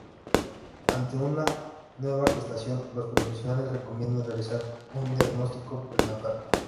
Ante una nueva gestación los profesionales recomiendan realizar un diagnóstico prenatal.